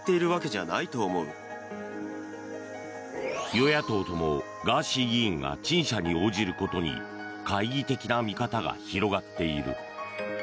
与野党とも、ガーシー議員が陳謝に応じることに懐疑的な見方が広がっている。